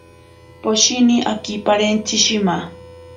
Poshini akiparentsi shima.